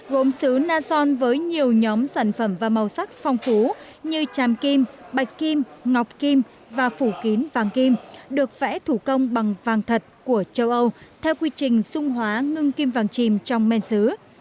gốm xứ na son với nhiều nhóm sản phẩm và màu sắc phong phú như tràm kim bạch kim ngọc kim và phủ kín vàng kim được vẽ thủ công bằng vàng thật của châu âu theo quy trình sung hóa ngưng kim vàng chìm trong men xứ